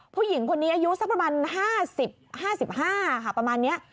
ผู้หญิงคนนี้อายุสักประมาณ๕๐๕๕ค่ะประมาณนี้